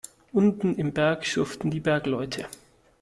Unten im Berg schuften die Bergleute.